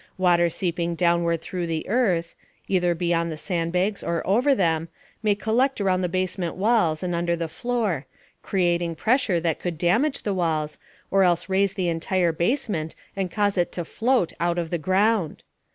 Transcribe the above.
Water seeping downward through the earth (either beyond the sandbags or over them) may collect around the basement walls and under the floor, creating pressure that could damage the walls or else raise the entire basement and cause it to "float" out of the ground.